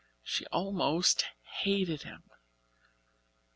She almost hated him.